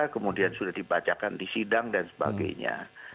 kemudian sudah dibacakan di sidang dan sebagainya